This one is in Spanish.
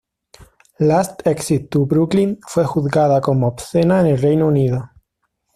Last Exit to Brooklyn fue juzgada como obscena en el Reino Unido.